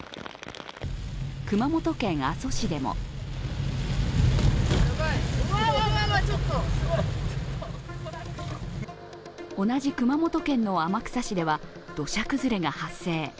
熊本県阿蘇市でも同じ熊本県の天草市では土砂崩れが発生。